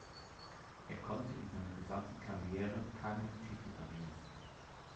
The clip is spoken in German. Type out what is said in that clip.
Er konnte in seiner gesamten Karriere keinen Titel erringen.